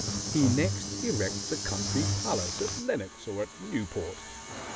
He next erects a country palace at Lenox or at Newport.